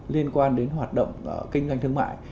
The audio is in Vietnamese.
liên quan đến hoạt động kinh doanh thương mại